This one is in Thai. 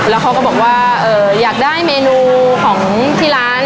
แล้วเขาก็บอกว่าอยากได้เมนูของที่ร้าน